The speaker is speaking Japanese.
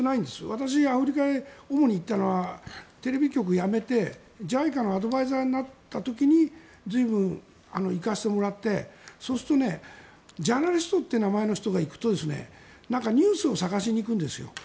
私、アフリカに主に行ったのはテレビ局を辞めて、ＪＩＣＡのアドバイザーになった時に随分、行かせてもらってそうするとジャーナリストという名前の人が行くとニュースを探しに行くんですよ。